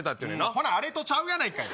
ほなあれとちゃうやないかい！